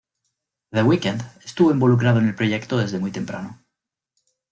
The Weeknd estuvo involucrado en el proyecto desde muy temprano.